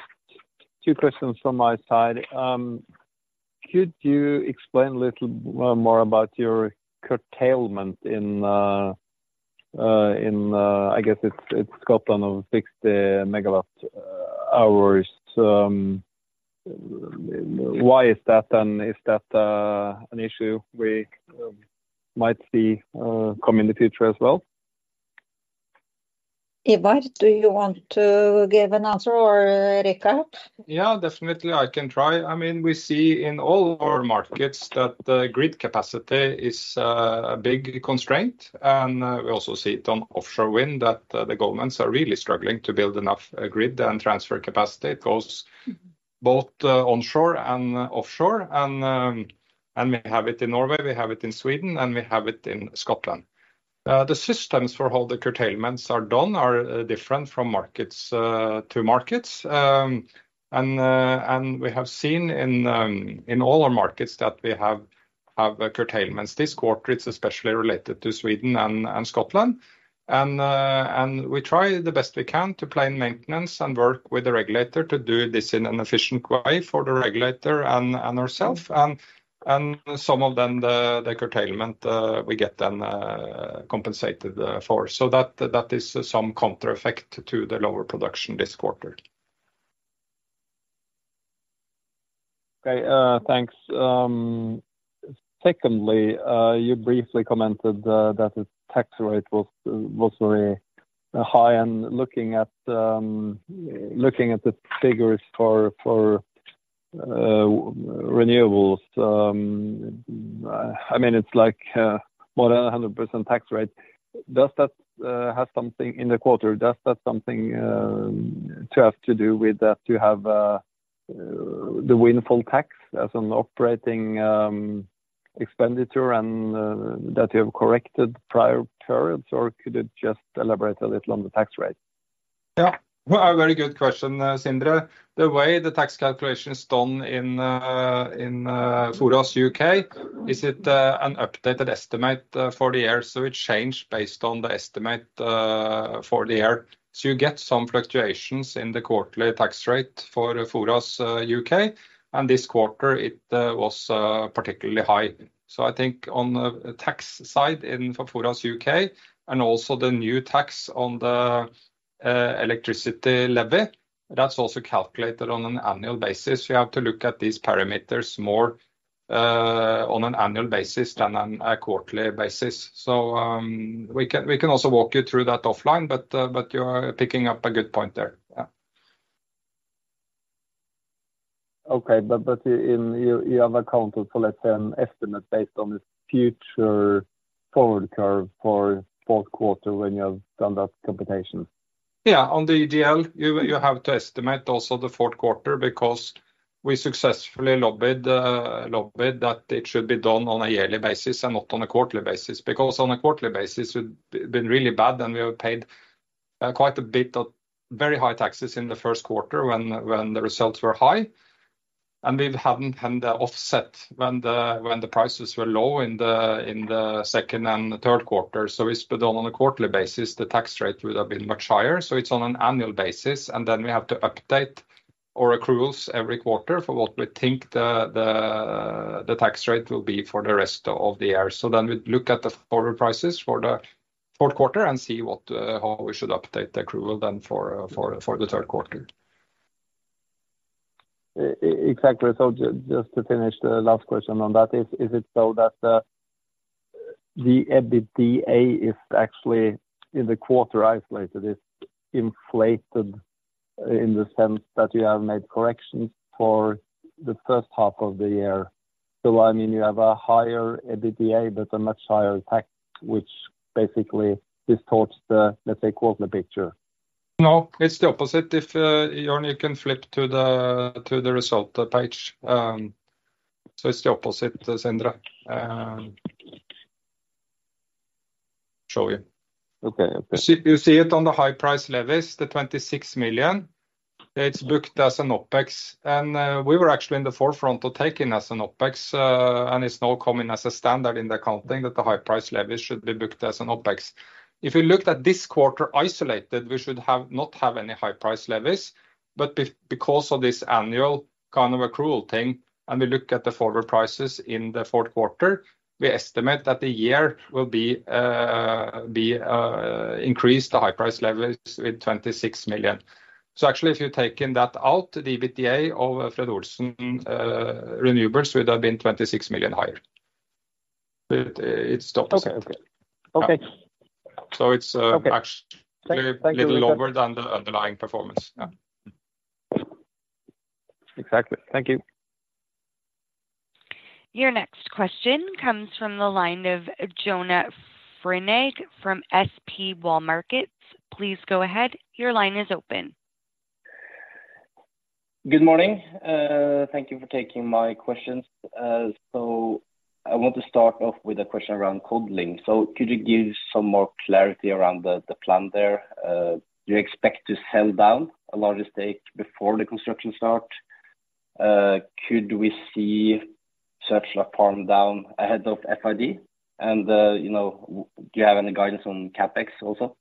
two questions from my side. Could you explain a little more about your curtailment in, I guess, it's got on over 60 megawatt hours. Why is that, and is that an issue we might see come in the future as well? Ivar, do you want to give an answer, or, Richard? Yeah, definitely, I can try. I mean, we see in all our markets that the grid capacity is a big constraint, and we also see it on offshore wind, that the governments are really struggling to build enough grid and transfer capacity. It goes both onshore and offshore, and we have it in Norway, we have it in Sweden, and we have it in Scotland. The systems for how the curtailments are done are different from markets to markets. We have seen in all our markets that we have curtailments this quarter, it's especially related to Sweden and Scotland. We try the best we can to plan maintenance and work with the regulator to do this in an efficient way for the regulator and ourselves, and some of them, the curtailment, we get them compensated for so that is some counter effect to the lower production this quarter. Okay, thanks. Secondly, you briefly commented that the tax rate was very high, and looking at the figures for renewables, I mean, it's like more than 100% tax rate. Does that have something in the quarter? Does that something to have to do with that, to have the windfall tax as an operating expenditure and that you have corrected prior periods, or could you just elaborate a little on the tax rate? Yeah. Well, a very good question, Sindre. The way the tax calculation is done in Bonheur UK is an updated estimate for the year, so it changed based on the estimate for the year. So you get some fluctuations in the quarterly tax rate for Bonheur UK, and this quarter it was particularly high. So I think on the tax side, in Bonheur UK, and also the new tax on the electricity levy, that's also calculated on an annual basis you have to look at these parameters on an annual basis than on a quarterly basis. We can also walk you through that offline, but you are picking up a good point there. Yeah. Okay. But in, you have accounted for, let's say, an estimate based on this future forward curve for Q4 when you have done that computation? Yeah. On the DL, you have to estimate also the Q4, because we successfully lobbied that it should be done on a yearly basis and not on a quarterly basis because on a quarterly basis, it would been really bad, and we would have paid quite a bit of very high taxes in the Q1 when the results were high. We hadn't had the offset when the prices were low in the second and the Q3. So if it's put on a quarterly basis, the tax rate would have been much higher so it's on an annual basis, and then we have to update our accruals every quarter for what we think the tax rate will be for the rest of the year. So then we look at the forward prices for the Q4 and see what, how we should update the accrual then for the Q3. Exactly. So just to finish the last question on that, is it so that the EBITDA is actually in the quarter isolated, it's inflated in the sense that you have made corrections for the first half of the year? So, I mean, you have a higher EBITDA, but a much higher tax, which basically distorts the, let's say, quarter picture. No, it's the opposite. If John, you can flip to the result page. So it's the opposite, Sindre. Show you. Okay. Okay. You see, you see it on the high price levels, the 26 million. It's booked as an OpEx. And we were actually in the forefront of taking as an OpEx, and it's now coming as a standard in the accounting that the high price level should be booked as an OpEx. If you looked at this quarter isolated, we should not have any high price levels, but because of this annual kind of accrual thing, and we look at the forward prices in the Q4, we estimate that the year will be increased the high price levels with 26 million. So actually, if you've taken that out, the EBITDA of Fred. Olsen Renewables would have been 26 million higher. But it's the opposite. Okay. Okay. So it's, Okay... actually little lower than the underlying performance. Yeah. Exactly. Thank you. Your next question comes from the line of Jonas Fremming from SpareBank 1 Markets. Please go ahead. Your line is open. Good morning. Thank you for taking my questions. I want to start off with a question around Codling. Could you give some more clarity around the plan there? Do you expect to sell down a large stake before the construction start? Could we see a sell down of such a farm ahead of FID? And, you know, do you have any guidance on CapEx also?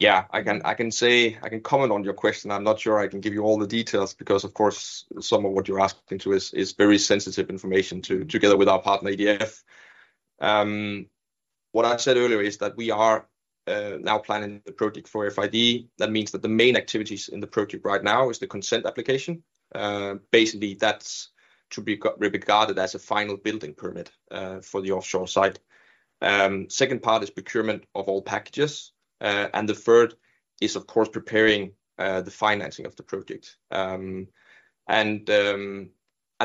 Yeah, I can, I can say... I can comment on your question. I'm not sure I can give you all the details because, of course, some of what you're asking too is very sensitive information together with our partner, EDF. What I said earlier is that we are now planning the project for FID. That means that the main activities in the project right now is the consent application. Basically, that's to be regarded as a final building permit for the offshore site. Second part is procurement of all packages, and the third is, of course, preparing the financing of the project. I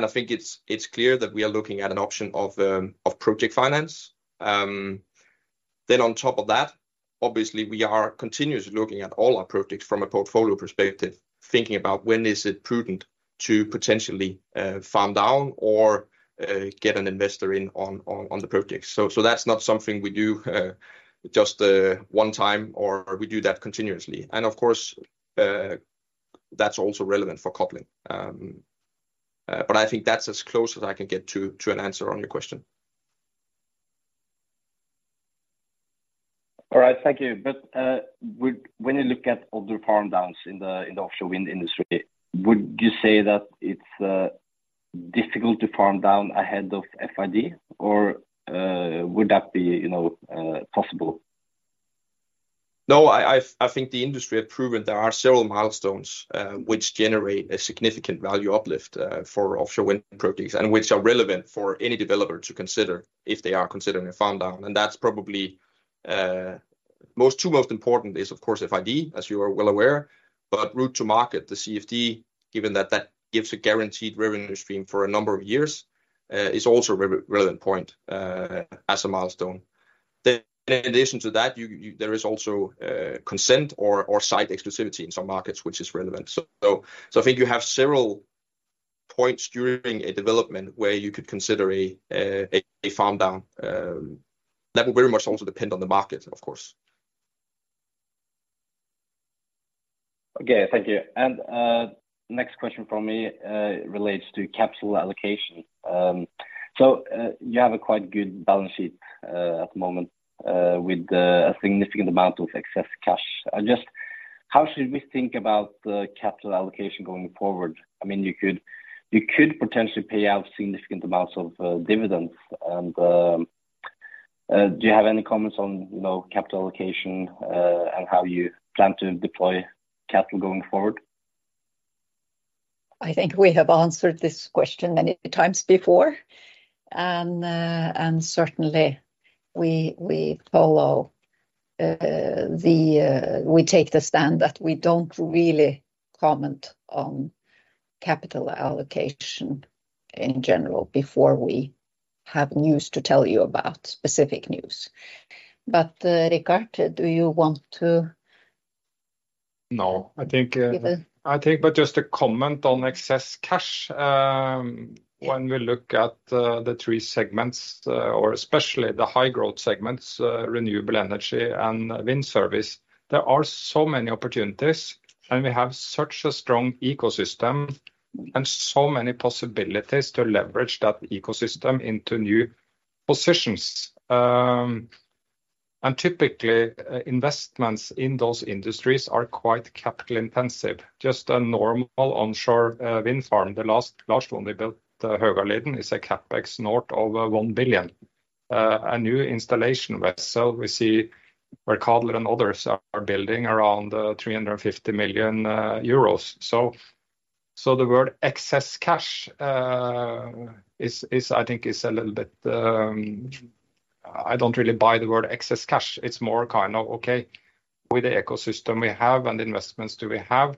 think it's clear that we are looking at an option of project finance. Then on top of that, obviously, we are continuously looking at all our projects from a portfolio perspective, thinking about when is it prudent to potentially farm down or get an investor in on the project. So that's not something we do just one time, or we do that continuously and of course, that's also relevant for Codling. But I think that's as close as I can get to an answer on your question. All right. Thank you. But when you look at other farm downs in the offshore wind industry, would you say that it's difficult to farm down ahead of FID, or would that be, you know, possible? No, I think the industry have proven there are several milestones which generate a significant value uplift for offshore wind projects, and which are relevant for any developer to consider if they are considering a farm down and that's probably the two most important is, of course, FID, as you are well aware, but route to market, the CFD, given that that gives a guaranteed revenue stream for a number of years, is also a relevant point as a milestone. Then in addition to that, there is also consent or site exclusivity in some markets, which is relevant. I think you have several points during a development where you could consider a farm down. That will very much also depend on the market, of course. Okay. Thank you. Next question from me relates to capital allocation. You have a quite good balance sheet at the moment with a significant amount of excess cash. Just how should we think about the capital allocation going forward? I mean, you could, you could potentially pay out significant amounts of dividends and do you have any comments on, you know, capital allocation and how you plan to deploy capital going forward? I think we have answered this question many times before, and certainly we take the stand that we don't really comment on capital allocation in general before we have news to tell you about, specific news. But, Richard, do you want to- No, I think, I think, but just to comment on excess cash, when we look at the three segments, or especially the high growth segments, renewable energy and wind service, there are so many opportunities, and we have such a strong ecosystem and so many possibilities to leverage that ecosystem into new positions. Typically, investments in those industries are quite capital intensive. Just a normal onshore wind farm. The last one we built, the Fävåliden, is a CapEx north of 1 billion. A new installation vessel, we see where Cadeler and others are building around 350 million euros. The word excess cash is, I think, a little bit... I don't really buy the word excess cash it's more kind of, okay, with the ecosystem we have and the investments do we have,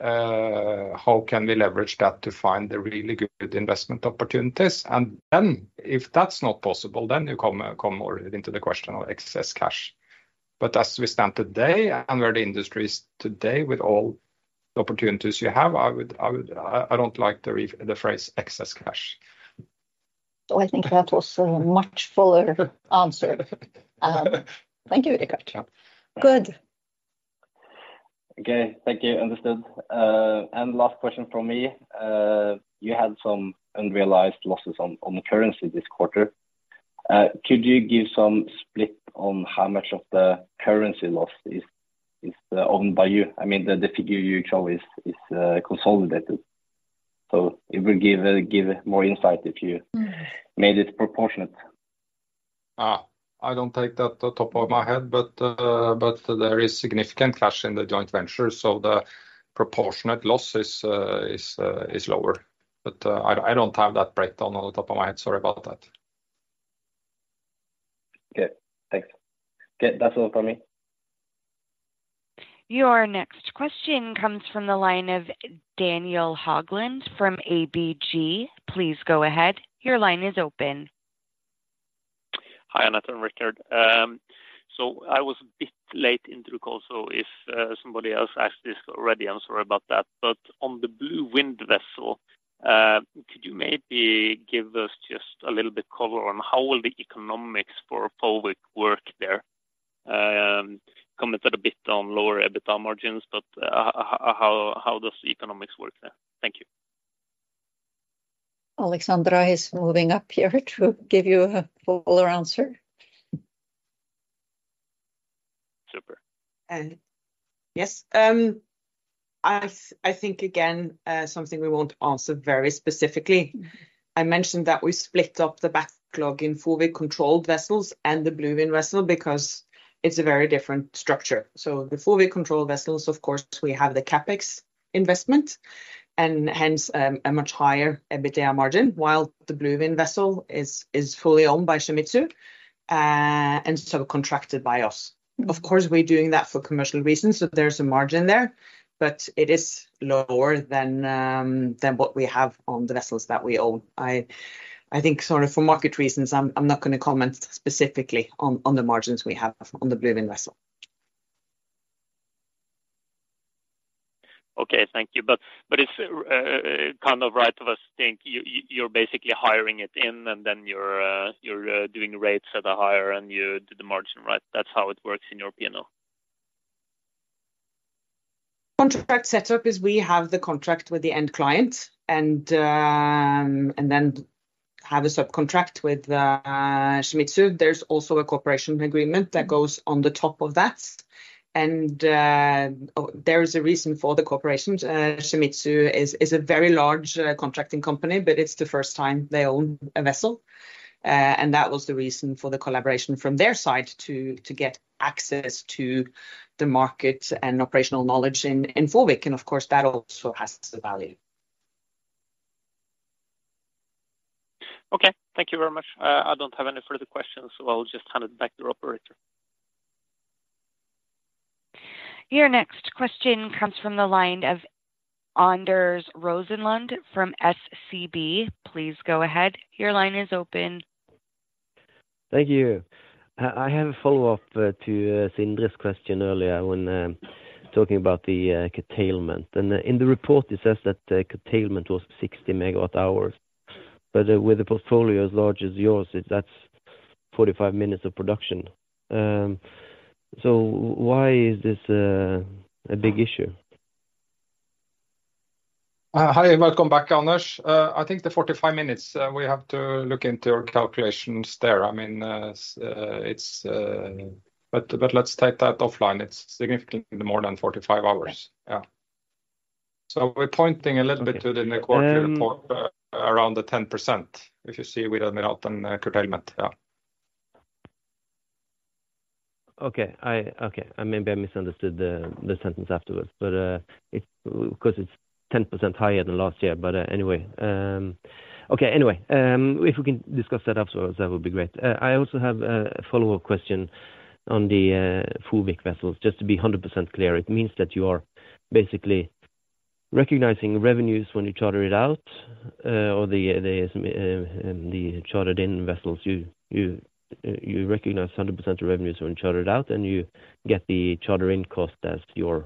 how can we leverage that to find the really good investment opportunities? And then if that's not possible, then you come more into the question of excess cash. But as we stand today, and where the industry is today, with all the opportunities you have, I would I don't like the the phrase excess cash. So I think that was a much fuller answer. Thank you, Richard. Yeah. Good. Okay. Thank you. Understood. And last question from me. You had some unrealized losses on the currency this quarter. Could you give some split on how much of the currency loss is owned by you? I mean, the figure you show is consolidated, so it will give more insight if you- Made it proportionate. I don't take that off the top of my head, but there is significant cash in the joint venture, so the proportionate loss is lower. But I don't have that breakdown off the top of my head. Sorry about that. Okay, thanks. Okay, that's all from me. Your next question comes from the line of Daniel Haugland from ABG. Please go ahead. Your line is open. Hi, Anette and Richard. So I was a bit late into the call, so if somebody else asked this already, I'm sorry about that but on the Blue Wind vessel, could you maybe give us just a little bit color on how will the economics for FOWIC work there? Commented a bit on lower EBITDA margins, but how does the economics work there? Thank you. Alexandra is moving up here to give you a fuller answer. Super. Yes. I think, again, something we won't answer very specifically. I mentioned that we split up the backlog in four-way controlled vessels and the Blue Wind vessel because it's a very different structure. So the four-way controlled vessels, of course, we have the CapEx investment and hence, a much higher EBITDA margin, while the Blue Wind vessel is fully owned by Shimizu, and so contracted by us. Of course, we're doing that for commercial reasons, so there's a margin there, but it is lower than, than what we have on the vessels that we own. I think sort of for market reasons, I'm not gonna comment specifically on, on the margins we have on the Blue Wind vessel. Okay, thank you. But it's kind of right of us think you you're basically hiring it in, and then you're doing rates that are higher, and you do the margin, right? That's how it works in your P&L. Contract set up is we have the contract with the end client and then have a subcontract with Shimizu there's also a cooperation agreement that goes on the top of that, and there is a reason for the cooperation. Shimizu is a very large contracting company, but it's the first time they own a vessel. And that was the reason for the collaboration from their side, to get access to the market and operational knowledge in offshore, and of course, that also has the value. Okay, thank you very much. I don't have any further questions, so I'll just hand it back to the operator. Your next question comes from the line of Anders Rosenlund from SEB. Please go ahead. Your line is open. Thank you. I have a follow-up to Sindre's question earlier when talking about the curtailment. In the report, it says that the curtailment was 60 MWh. But with a portfolio as large as yours, it, that's 45 minutes of production. Why is this a big issue? Hi, welcome back, Anders. I think the 45 minutes we have to look into your calculations there. I mean, it's... But let's take that offline. It's significantly more than 45 hours. Yeah. So we're pointing a little bit to the next quarter report, around the 10%, if you see without curtailment. Yeah. Okay, maybe I misunderstood the sentence afterwards, but it's because it's 10% higher than last year but anyway... Okay, anyway, if we can discuss that afterwards, that would be great i also have a follow-up question on the Fuvik vessels just to be 100% clear, it means that you are basically recognizing revenues when you charter it out, or the chartered-in vessels, you recognize 100% of revenues when chartered out, and you get the charter-in cost as your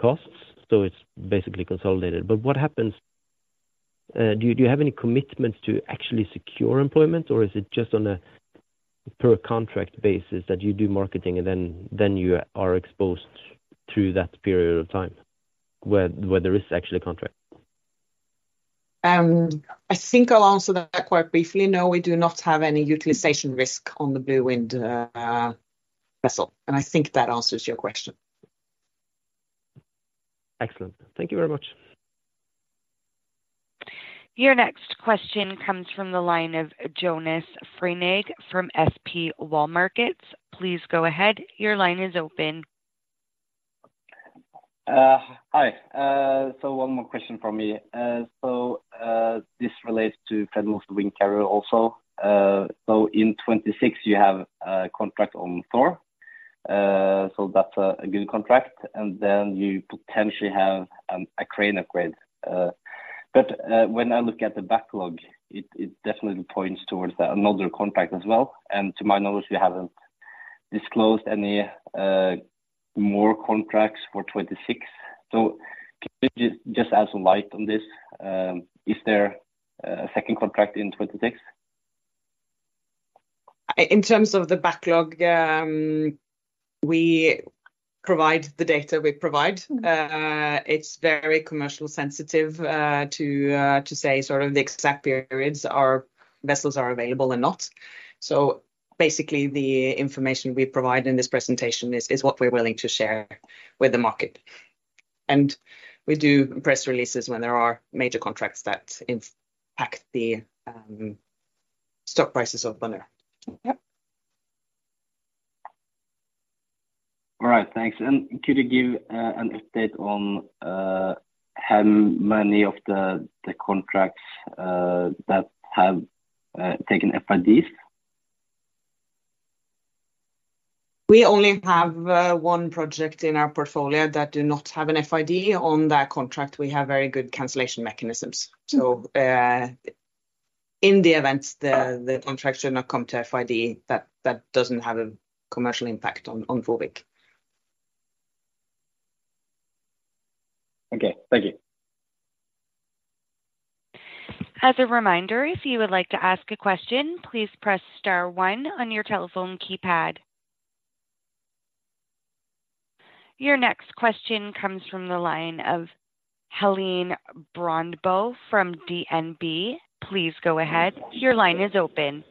costs. It's basically consolidated. But what happens? Do you have any commitments to actually secure employment, or is it just on a per contract basis that you do marketing, and then you are exposed through that period of time, where there is actually a contract? I think I'll answer that quite briefly. No, we do not have any utilization risk on the Blue Wind vessel, and I think that answers your question. Excellent. Thank you very much. Your next question comes from the line of Jonas Fremming from SpareBank 1 Markets. Please go ahead. Your line is open. Hi. So one more question from me. This relates to Fred. Olsen Windcarrier also. In 2026, you have a contract on Thor. So that's a good contract, and then you potentially have a crane upgrade. But when I look at the backlog, it definitely points towards another contract as well. And to my knowledge, you haven't disclosed any more contracts for 2026. Can you just add some light on this? Is there a second contract in 2026? In terms of the backlog, we provide the data we provide. It's very commercially sensitive to say sort of the exact periods our vessels are available and not. Basically, the information we provide in this presentation is what we're willing to share with the market. And we do press releases when there are major contracts that impact the stock prices of Bonheur. Yep. All right, thanks. Could you give an update on how many of the contracts that have taken FIDs? We only have one project in our portfolio that do not have an FID. On that contract, we have very good cancellation mechanisms. In the event the contract should not come to FID, that doesn't have a commercial impact on Fuvik. Okay, thank you. As a reminder, if you would like to ask a question, please press star one on your telephone keypad. Your next question comes from the line of Helene Brøndbo from DNB. Please go ahead. Your line is open.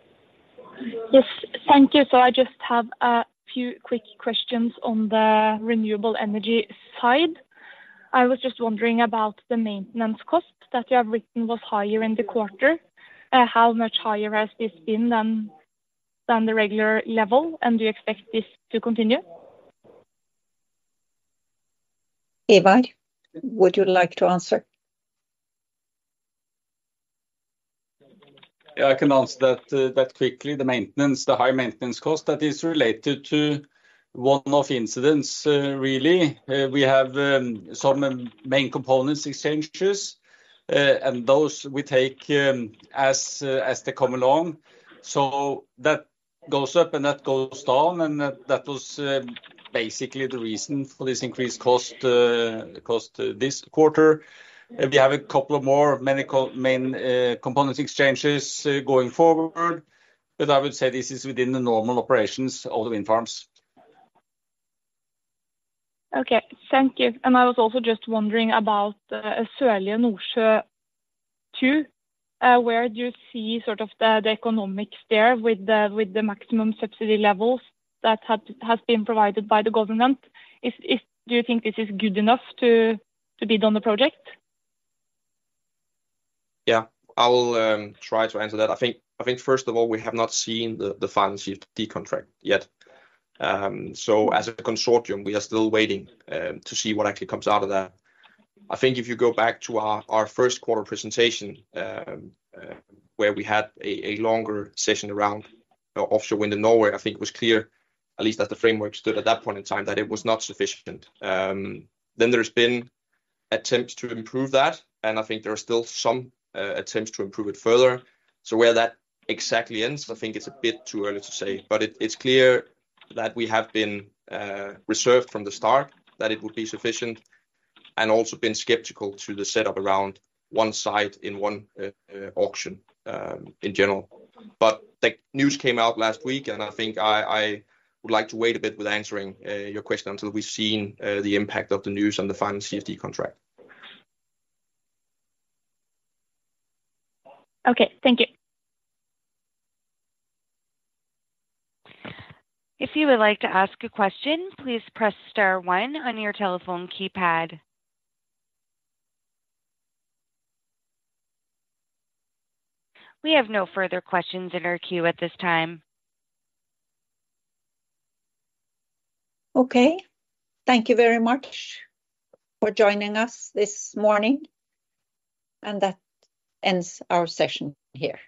Yes, thank you so I just have a few quick questions on the renewable energy side. I was just wondering about the maintenance cost that you have written was higher in the quarter. How much higher has this been than the regular level, and do you expect this to continue? Ivar, would you like to answer? Yeah, I can answer that, that quickly the maintenance, the high maintenance cost, that is related to one-off incidents, really. We have some main components exchanges, and those we take as they come along. That goes up, and that goes down, and that was basically the reason for this increased cost, cost this quarter. And we have a couple of more main components exchanges going forward, but I would say this is within the normal operations of the wind farms. Okay, thank you. And I was also just wondering about Sørlige Nordsjø II. Where do you see sort of the economics there with the maximum subsidy levels that have been provided by the government? Do you think this is good enough to bid on the project? Yeah, I will try to answer that. I think first of all, we have not seen the final CFD contract yet. As a consortium, we are still waiting to see what actually comes out of that. I think if you go back to our Q1 presentation, where we had a longer session around offshore wind in Norway, I think it was clear, at least as the framework stood at that point in time, that it was not sufficient. Then there's been attempts to improve that, and I think there are still some attempts to improve it further. So where that exactly ends, I think it's a bit too early to say but it's clear that we have been reserved from the start, that it would be sufficient, and also been skeptical to the set up around one site in one auction in general. But the news came out last week, and I think I would like to wait a bit with answering your question until we've seen the impact of the news on the final CFD contract. Okay, thank you. If you would like to ask a question, please press star one on your telephone keypad. We have no further questions in our queue at this time. Okay. Thank you very much for joining us this morning, and that ends our session here.